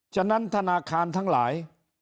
ฉะนั้นธนาคารทั้งหลาย